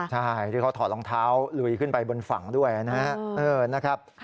ใช่ที่เขาถอดรองเท้าลุยขึ้นไปบนฝั่งด้วยนะครับ